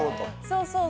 そうそう。